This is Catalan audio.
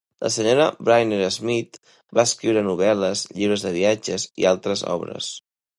La Sra. Brainerd Smith va escriure novel·les, llibres de viatges i altres obres.